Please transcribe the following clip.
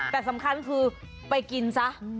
แต่สำคัญคือไปกินซะ